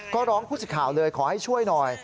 ก็ร้องผู้สิทธิ์ข่าวเลยขอให้ช่วยหน่อย